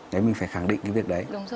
đấy mình phải khẳng định cái việc đấy